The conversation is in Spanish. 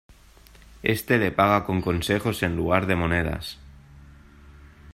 Este le paga con consejos en lugar de monedas.